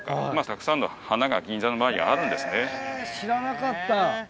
たくさんの花が銀座の周りにあるんですね。